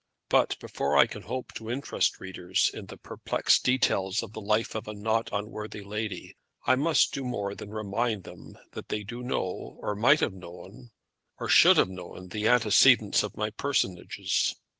But before I can hope to interest readers in the perplexed details of the life of a not unworthy lady, I must do more than remind them that they do know, or might have known, or should have known the antecedents of my personages.